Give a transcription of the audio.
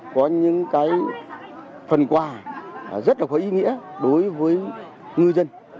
có những cái phần quà rất là có ý nghĩa đối với ngư dân